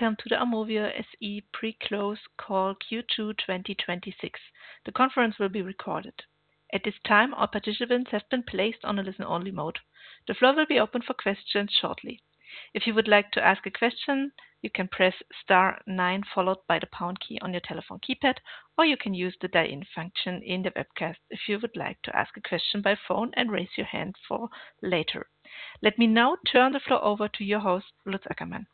Welcome to the Aumovio SE Pre-close call Q2 2026. The conference will be recorded. At this time, all participants have been placed on a listen-only mode. The floor will be open for questions shortly. If you would like to ask a question, you can press star nine, followed by the pound key on your telephone keypad, or you can use the dial-in function in the webcast if you would like to ask a question by phone and raise your hand for later. Let me now turn the floor over to your host, Lutz Ackermann.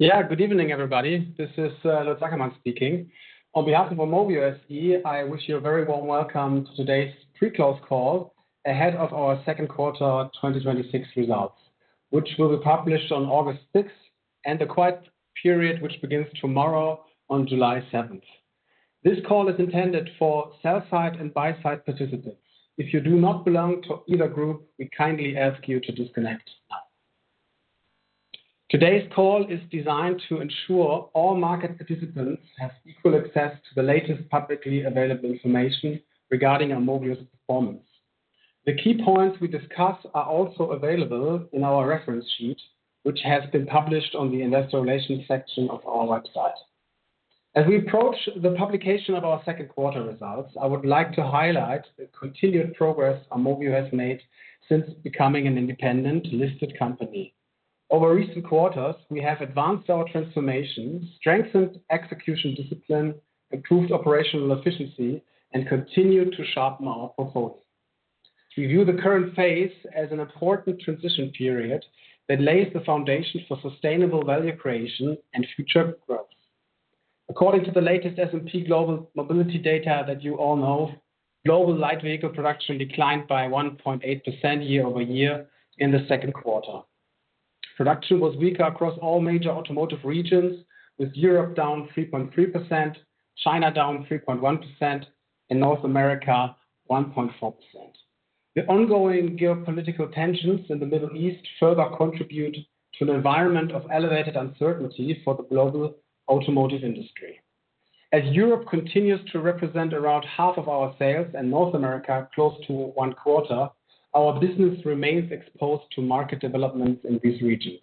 Yeah. Good evening, everybody. This is Lutz Ackermann speaking. On behalf of Aumovio SE, I wish you a very warm welcome to today's pre-close call ahead of our second quarter 2026 results, which will be published on August sixth, and the quiet period, which begins tomorrow on July seventh. This call is intended for sell-side and buy-side participants. If you do not belong to either group, we kindly ask you to disconnect now. Today's call is designed to ensure all market participants have equal access to the latest publicly available information regarding Aumovio's performance. The key points we discuss are also available in our reference sheet, which has been published on the investor relations section of our website. As we approach the publication of our second quarter results, I would like to highlight the continued progress Aumovio has made since becoming an independent listed company. Over recent quarters, we have advanced our transformation, strengthened execution discipline, improved operational efficiency, and continued to sharpen our focus. We view the current phase as an important transition period that lays the foundation for sustainable value creation and future growth. According to the latest S&P Global Mobility data that you all know, global light vehicle production declined by 1.8% year-over-year in the second quarter. Production was weaker across all major automotive regions, with Europe down 3.3%, China down 3.1%, and North America 1.4%. The ongoing geopolitical tensions in the Middle East further contribute to the environment of elevated uncertainty for the global automotive industry. As Europe continues to represent around half of our sales and North America close to one quarter, our business remains exposed to market developments in these regions.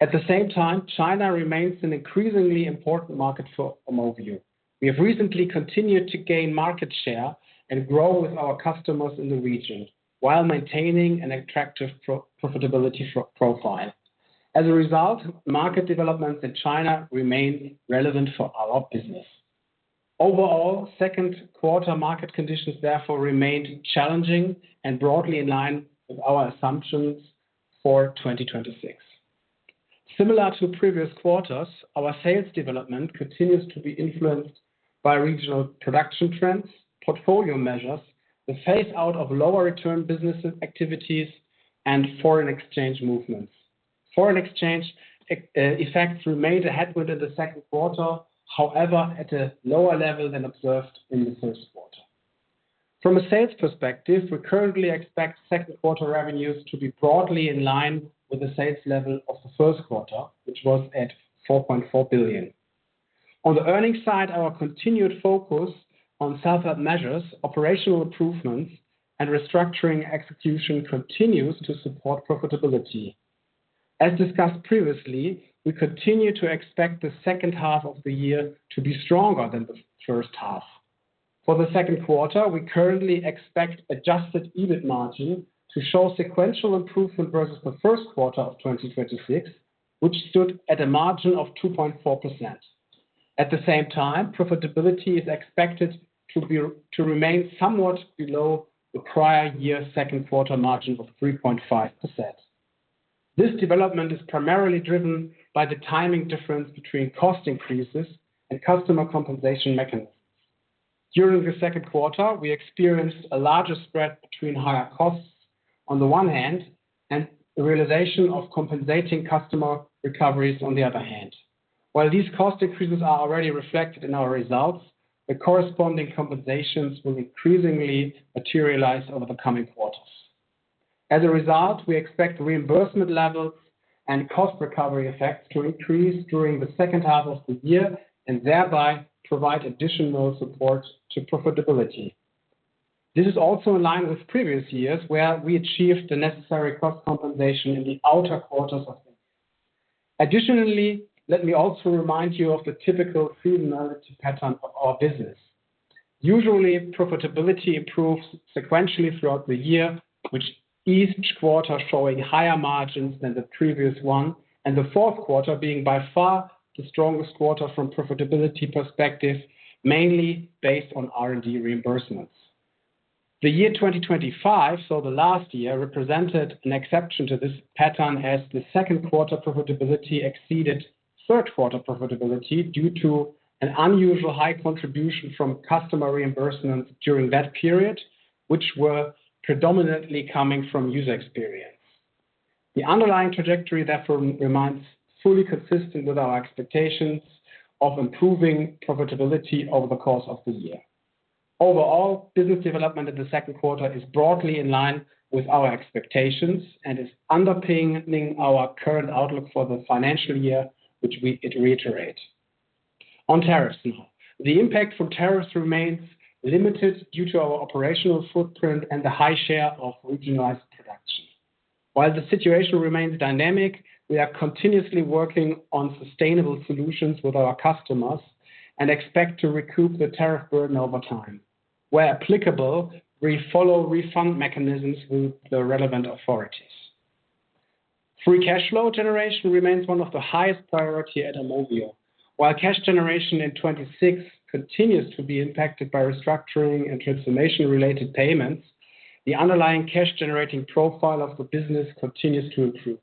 At the same time, China remains an increasingly important market for Aumovio. We have recently continued to gain market share and grow with our customers in the region while maintaining an attractive profitability profile. As a result, market developments in China remain relevant for our business. Overall, second quarter market conditions therefore remained challenging and broadly in line with our assumptions for 2026. Similar to previous quarters, our sales development continues to be influenced by regional production trends, portfolio measures, the phase-out of lower return business activities, and foreign exchange movements. Foreign exchange effects remained a headwind in the second quarter, however, at a lower level than observed in the first quarter. From a sales perspective, we currently expect second quarter revenues to be broadly in line with the sales level of the first quarter, which was at 4.4 billion. On the earnings side, our continued focus on sell-up measures, operational improvements, and restructuring execution continues to support profitability. As discussed previously, we continue to expect the second half of the year to be stronger than the first half. For the second quarter, we currently expect adjusted EBIT margin to show sequential improvement versus the first quarter of 2026, which stood at a margin of 2.4%. At the same time, profitability is expected to remain somewhat below the prior year second quarter margin of 3.5%. This development is primarily driven by the timing difference between cost increases and customer compensation mechanisms. During the second quarter, we experienced a larger spread between higher costs on the one hand and the realization of compensating customer recoveries on the other hand. While these cost increases are already reflected in our results, the corresponding compensations will increasingly materialize over the coming quarters. As a result, we expect reimbursement levels and cost recovery effects to increase during the second half of the year and thereby provide additional support to profitability. This is also in line with previous years, where we achieved the necessary cost compensation in the outer quarters of the year. Additionally, let me also remind you of the typical seasonality pattern for our business. Usually, profitability improves sequentially throughout the year, with each quarter showing higher margins than the previous one, and the fourth quarter being by far the strongest quarter from a profitability perspective, mainly based on R&D reimbursements. The year 2025, so the last year, represented an exception to this pattern, as the second quarter profitability exceeded third-quarter profitability due to an unusual high contribution from customer reimbursements during that period, which were predominantly coming from User Experience. The underlying trajectory, therefore, remains fully consistent with our expectations of improving profitability over the course of the year. Overall, business development in the second quarter is broadly in line with our expectations and is underpinning our current outlook for the financial year, which we reiterate On tariffs now. The impact from tariffs remains limited due to our operational footprint and the high share of regionalized production. While the situation remains dynamic, we are continuously working on sustainable solutions with our customers and expect to recoup the tariff burden over time. Where applicable, we follow refund mechanisms with the relevant authorities. Free cash flow generation remains one of the highest priority at Aumovio. While cash generation in 2026 continues to be impacted by restructuring and transformation-related payments, the underlying cash-generating profile of the business continues to improve.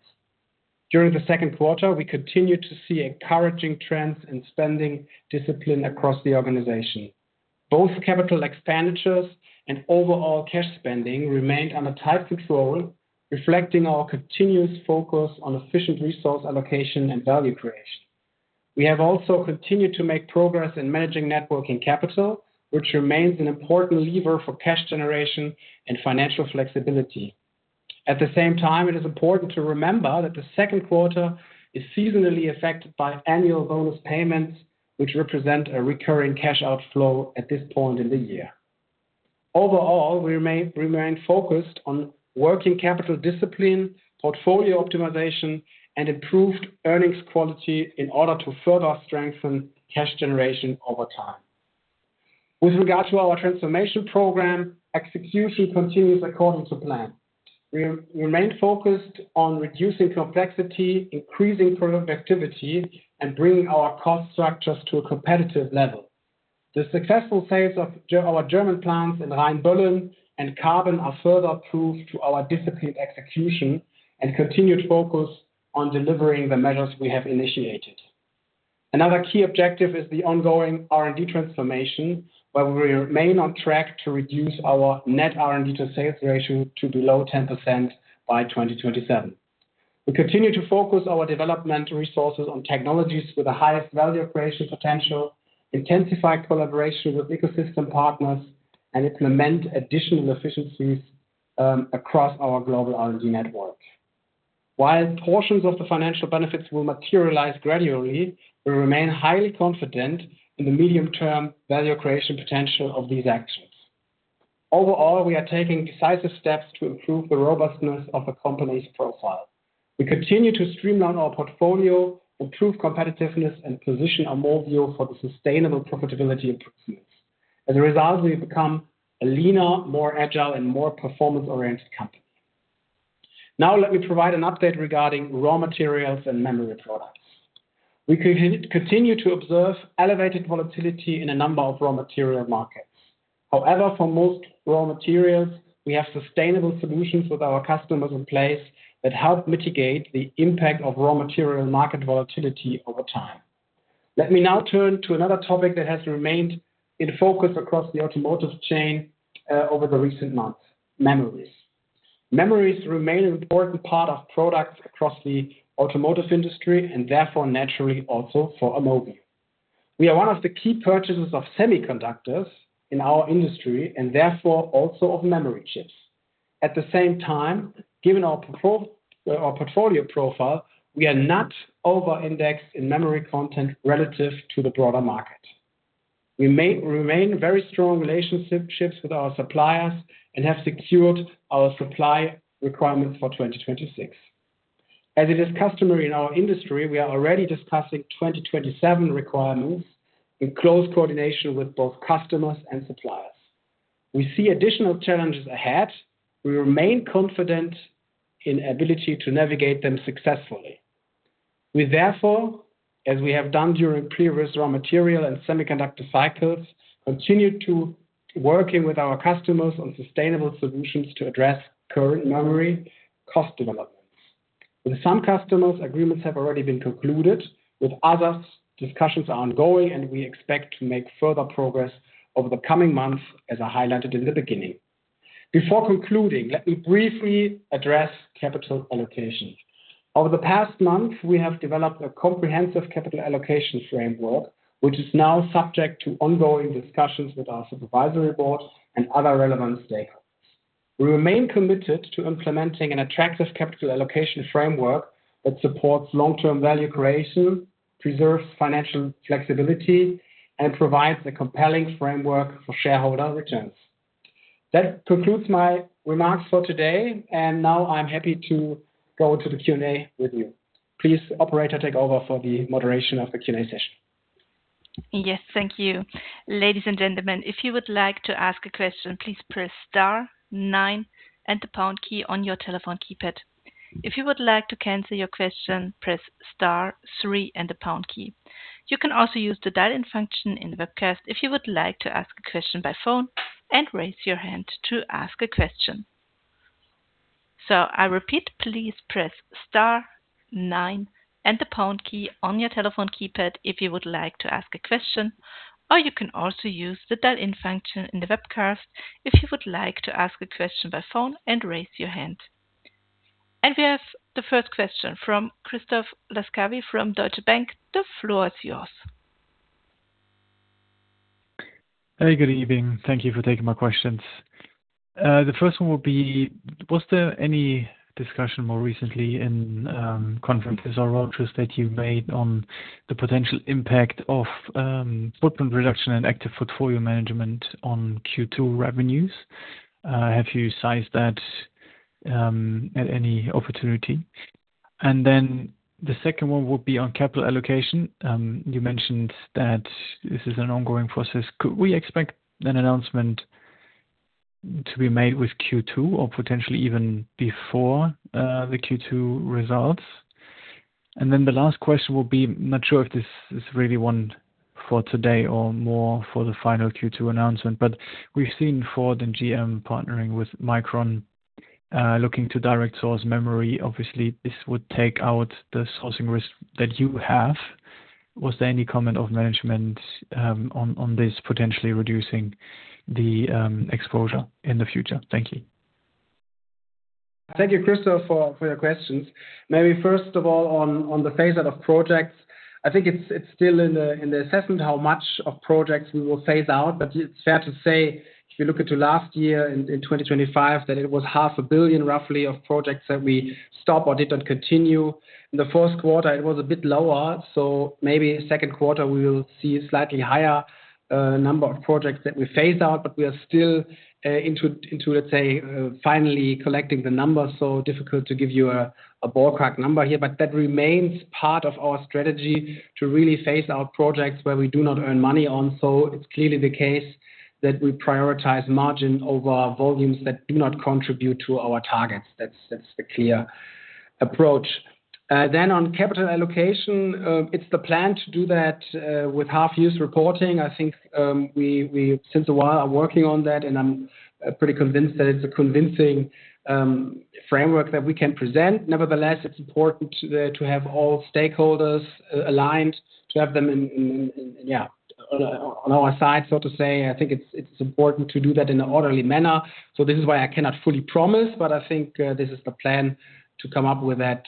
During the second quarter, we continued to see encouraging trends in spending discipline across the organization. Both capital expenditures and overall cash spending remained under tight control, reflecting our continuous focus on efficient resource allocation and value creation. We have also continued to make progress in managing net working capital, which remains an important lever for cash generation and financial flexibility. At the same time, it is important to remember that the second quarter is seasonally affected by annual bonus payments, which represent a recurring cash outflow at this point in the year. Overall, we remain focused on working capital discipline, portfolio optimization, and improved earnings quality in order to further strengthen cash generation over time. With regard to our transformation program, execution continues according to plan. We remain focused on reducing complexity, increasing productivity, and bringing our cost structures to a competitive level. The successful sales of our German plants in Rheinböllen and Karben are further proof to our disciplined execution and continued focus on delivering the measures we have initiated. Another key objective is the ongoing R&D transformation, where we remain on track to reduce our net R&D to sales ratio to below 10% by 2027. We continue to focus our development resources on technologies with the highest value creation potential, intensify collaboration with ecosystem partners, and implement additional efficiencies across our global R&D network. While portions of the financial benefits will materialize gradually, we remain highly confident in the medium-term value creation potential of these actions. Overall, we are taking decisive steps to improve the robustness of the company's profile. We continue to streamline our portfolio, improve competitiveness, and position Aumovio for the sustainable profitability improvements. As a result, we've become a leaner, more agile, and more performance-oriented company. Now let me provide an update regarding raw materials and memory products. We continue to observe elevated volatility in a number of raw material markets. However, for most raw materials, we have sustainable solutions with our customers in place that help mitigate the impact of raw material market volatility over time. Let me now turn to another topic that has remained in focus across the automotive chain over the recent months: memories. Memories remain an important part of products across the automotive industry and therefore naturally also for Aumovio. We are one of the key purchasers of semiconductors in our industry and therefore also of memory chips. At the same time, given our portfolio profile, we are not over-indexed in memory content relative to the broader market. We maintain very strong relationships with our suppliers and have secured our supply requirements for 2026. As it is customary in our industry, we are already discussing 2027 requirements in close coordination with both customers and suppliers. We see additional challenges ahead. We remain confident in ability to navigate them successfully. We therefore, as we have done during previous raw material and semiconductor cycles, continue to working with our customers on sustainable solutions to address current memory cost developments. With some customers, agreements have already been concluded. With others, discussions are ongoing and we expect to make further progress over the coming months, as I highlighted in the beginning. Before concluding, let me briefly address capital allocation. Over the past month, we have developed a comprehensive capital allocation framework, which is now subject to ongoing discussions with our supervisory board and other relevant stakeholders. We remain committed to implementing an attractive capital allocation framework that supports long-term value creation, preserves financial flexibility, and provides a compelling framework for shareholder returns. That concludes my remarks for today, and now I'm happy to go to the Q&A with you. Please, operator, take over for the moderation of the Q&A session. Yes, thank you. Ladies and gentlemen, if you would like to ask a question, please press star-nine and the pound key on your telephone keypad. If you would like to cancel your question, press star-three and the pound key. You can also use the dial-in function in the webcast if you would like to ask a question by phone and raise your hand to ask a question. I repeat, please press star-nine and the pound key on your telephone keypad if you would like to ask a question, or you can also use the dial-in function in the webcast if you would like to ask a question by phone and raise your hand. We have the first question from Christoph Laskawi from Deutsche Bank. The floor is yours. Hey, good evening. Thank you for taking my questions. The first one will be, was there any discussion more recently in conferences or road shows that you made on the potential impact of footprint reduction and active portfolio management on Q2 revenues? Have you sized that at any opportunity? The second one would be on capital allocation. You mentioned that this is an ongoing process. Could we expect an announcement to be made with Q2 or potentially even before the Q2 results? The last question will be, I'm not sure if this is really one for today or more for the final Q2 announcement, but we've seen Ford and GM partnering with Micron, looking to direct source memory. Obviously, this would take out the sourcing risk that you have. Was there any comment of management on this potentially reducing the exposure in the future? Thank you. Thank you, Christoph, for your questions. Maybe first of all, on the phase out of projects, I think it's still in the assessment how much of projects we will phase out. It's fair to say, if you look into last year in 2025, that it was half a billion, roughly, of projects that we stopped or didn't continue. In the first quarter, it was a bit lower. Maybe second quarter, we will see a slightly higher number of projects that we phase out, but we are still into, let's say, finally collecting the numbers. Difficult to give you a ballpark number here. That remains part of our strategy to really phase out projects where we do not earn money on. It's clearly the case that we prioritize margin over volumes that do not contribute to our targets. That's the clear approach. On capital allocation, it's the plan to do that with half-year's reporting. I think we, since a while, are working on that, and I'm pretty convinced that it's a convincing framework that we can present. Nevertheless, it's important to have all stakeholders aligned, to have them on our side, so to say. I think it's important to do that in an orderly manner. This is why I cannot fully promise, but I think this is the plan to come up with that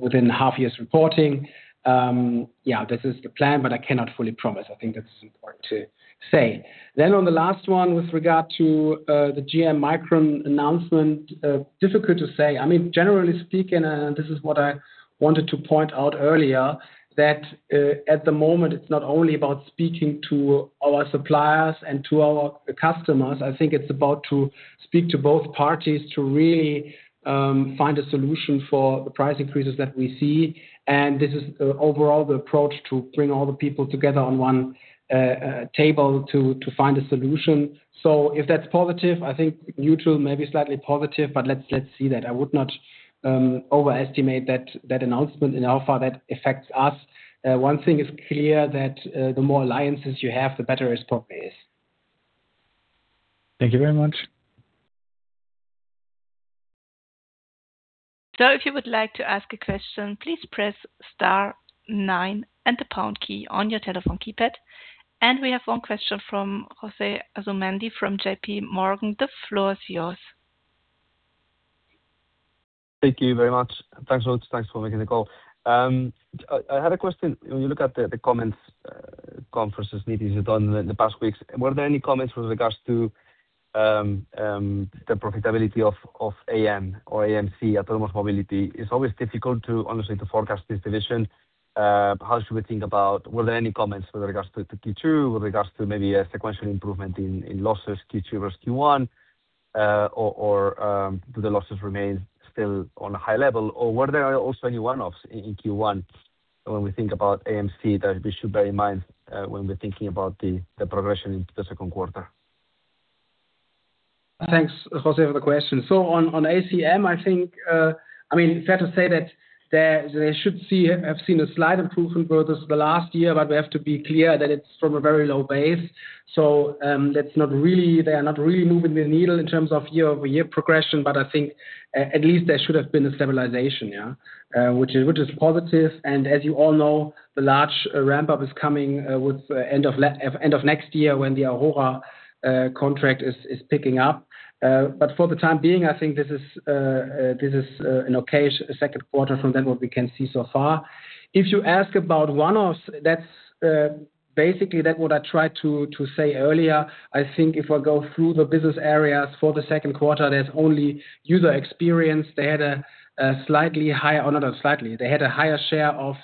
within half year's reporting. This is the plan, but I cannot fully promise. I think that's important to say. On the last one, with regard to the GM Micron announcement, difficult to say. Generally speaking, and this is what I wanted to point out earlier, that at the moment, it's not only about speaking to our suppliers and to our customers. I think it's about to speak to both parties to really find a solution for the price increases that we see. This is overall the approach to bring all the people together on one table to find a solution. If that's positive, I think neutral, maybe slightly positive, but let's see that. I would not overestimate that announcement in how far that affects us. One thing is clear, that the more alliances you have, the better a spot is. Thank you very much. If you would like to ask a question, please press star nine and the pound key on your telephone keypad. We have one question from José Asumendi from JPMorgan. The floor is yours. Thank you very much. Thanks a lot. Thanks for making the call. I had a question. When you look at the comments, conferences meetings you've done in the past weeks, were there any comments with regards to the profitability of AM or AMC, Autonomous Mobility? It's always difficult, honestly, to forecast this division. How should we think about, were there any comments with regards to Q2, with regards to maybe a sequential improvement in losses Q2 versus Q1? Do the losses remain still on a high level? Were there also any one-offs in Q1 when we think about AMC that we should bear in mind when we're thinking about the progression into the second quarter? Thanks, José, for the question. On AMC, I think, fair to say that they should have seen a slight improvement versus last year, but we have to be clear that it's from a very low base. They are not really moving the needle in terms of year-over-year progression, but I think at least there should have been a stabilization, yeah. Which is positive. As you all know, the large ramp up is coming with end of next year when the Aurora contract is picking up. For the time being, I think this is an okay second quarter from then what we can see so far. If you ask about one-offs, basically that what I tried to say earlier. I think if I go through the business areas for the second quarter, there's only User Experience. They had a slightly higher. They had a higher share of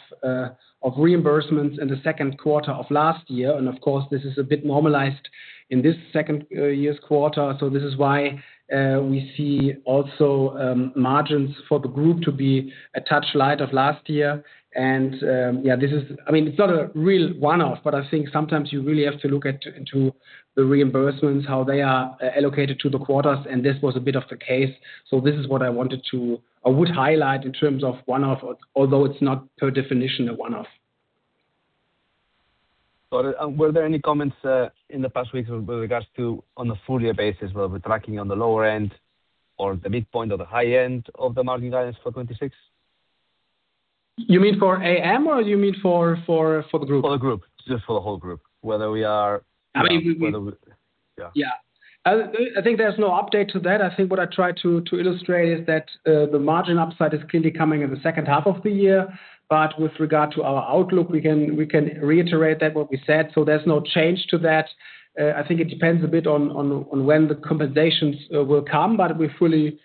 reimbursements in the second quarter of last year. Of course, this is a bit normalized in this second year's quarter. This is why we see also margins for the group to be a touch light of last year. And, yeah, it's not a real one-off, but I think sometimes you really have to look into the reimbursements, how they are allocated to the quarters, and this was a bit of the case. This is what I would highlight in terms of one-off, although it's not per definition a one-off. Were there any comments in the past weeks with regards to on a full year basis, were we tracking on the lower end or the midpoint of the high end of the margin guidance for 2026? You mean for AM or you mean for the group? For the group. Just for the whole group. Whether we are Yeah. I think there's no update to that. I think what I tried to illustrate is that the margin upside is clearly coming in the second half of the year. With regard to our outlook, we can reiterate that what we said, there's no change to that. I think it depends a bit on when the compensations will come, we fully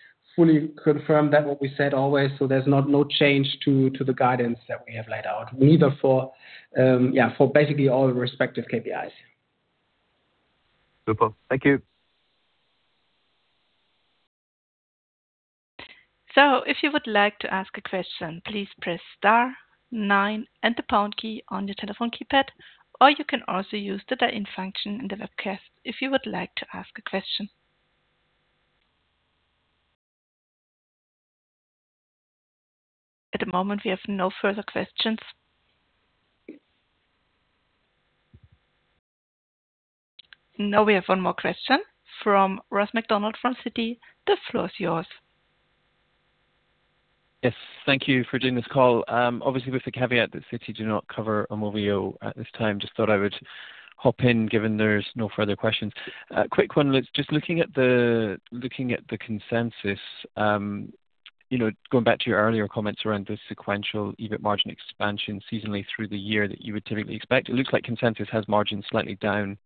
confirm that what we said always, there's no change to the guidance that we have laid out, neither for basically all respective KPIs. Super. Thank you. If you would like to ask a question, please press star nine and the pound key on your telephone keypad, or you can also use the dial-in function in the webcast if you would like to ask a question. At the moment, we have no further questions. Now we have one more question from Ross MacDonald from Citi. The floor is yours. Yes. Thank you for doing this call. Obviously, with the caveat that Citi do not cover Aumovio at this time, just thought I would hop in, given there's no further questions. Quick one, just looking at the consensus, going back to your earlier comments around the sequential EBIT margin expansion seasonally through the year that you would typically expect. It looks like consensus has margins slightly down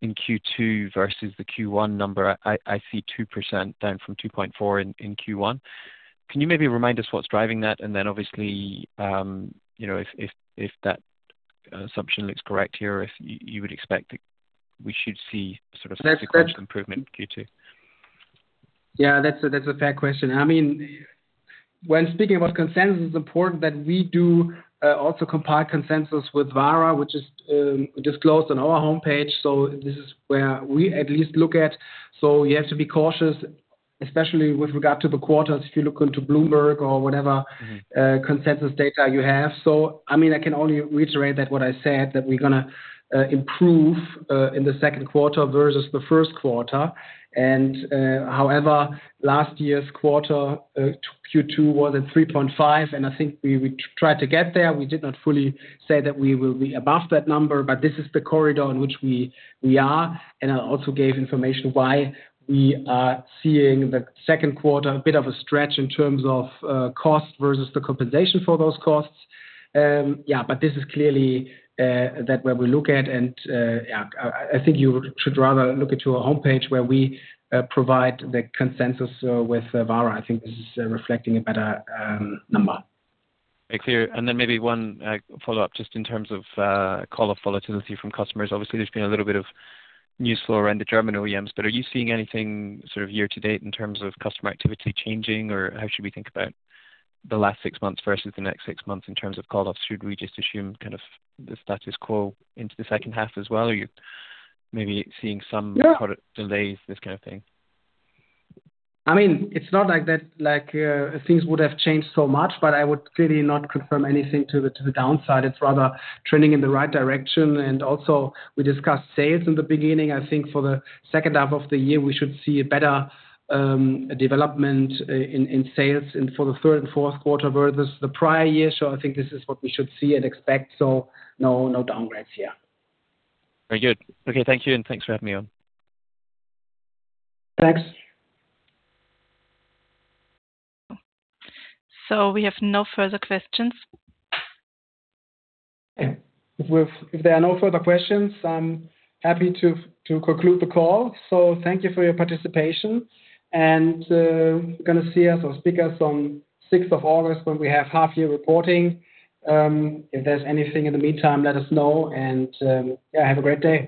in Q2 versus the Q1 number. I see 2% down from 2.4% in Q1. Can you maybe remind us what's driving that? Obviously, if that assumption looks correct here, if you would expect we should see some- That's- sequential improvement in Q2. That's a fair question. When speaking about consensus, it's important that we do also compile consensus with Vara, which is disclosed on our homepage. This is where we at least look at. You have to be cautious, especially with regard to the quarters, if you look into Bloomberg or whatever consensus data you have. I can only reiterate that what I said, that we're going to improve in the second quarter versus the first quarter. However, last year's quarter, Q2 was at 3.5%, and I think we would try to get there. We did not fully say that we will be above that number, but this is the corridor in which we are. I also gave information why we are seeing the second quarter a bit of a stretch in terms of cost versus the compensation for those costs. This is clearly that where we look at, and I think you should rather look into our homepage where we provide the consensus with Vara. I think this is reflecting a better number. Very clear. Maybe one follow-up, just in terms of call-off volatility from customers. Obviously, there's been a little bit of news flow around the German OEMs, but are you seeing anything year-to-date in terms of customer activity changing, or how should we think about the last six months versus the next six months in terms of call-offs? Should we just assume the status quo into the second half as well? Are you maybe seeing some product delays, this kind of thing? It's not like things would have changed so much, I would clearly not confirm anything to the downside. It's rather trending in the right direction. We discussed sales in the beginning. I think for the second half of the year, we should see a better development in sales and for the third and fourth quarter versus the prior year. I think this is what we should see and expect. No downgrades here. Very good. Okay, thank you, and thanks for having me on. Thanks. We have no further questions. If there are no further questions, I'm happy to conclude the call. Thank you for your participation. You're going to see us or speak us on 6th of August when we have half year reporting. If there's anything in the meantime, let us know. Have a great day.